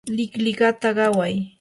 liqliqata qaway